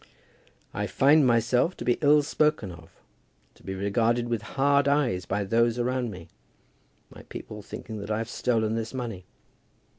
I find myself to be ill spoken of, to be regarded with hard eyes by those around me, my people thinking that I have stolen this money.